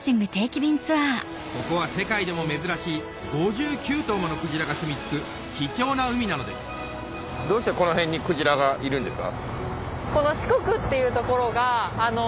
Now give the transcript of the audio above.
ここは世界でも珍しい５９頭ものクジラがすみ着く貴重な海なのですどうしてこの辺にクジラがいるんですか？